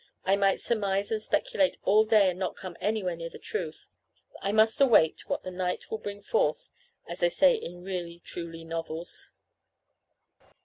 I might surmise and speculate all day and not come anywhere near the truth. I must await what the night will bring forth, as they say in really truly novels.